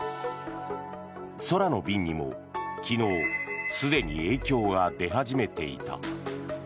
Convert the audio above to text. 空の便にも昨日すでに影響が出始めていた。